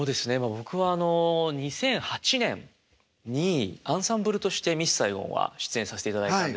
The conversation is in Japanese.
僕はあの２００８年にアンサンブルとして「ミスサイゴン」は出演させていただいたんですよ。